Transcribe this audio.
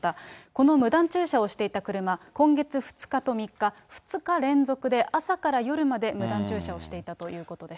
この無断駐車をしていた車、今月２日と３日、２日連続で朝から夜まで無断駐車をしていたということです。